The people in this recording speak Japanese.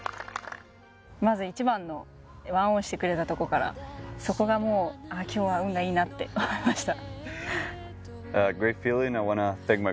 まず１番の１オンしてくれたとこからそこがもう今日は運がいいなって思いました。